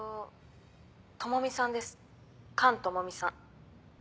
朋美さんです菅朋美さん。